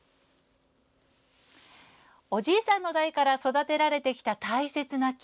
おじいさんの代から育てられてきた大切な木。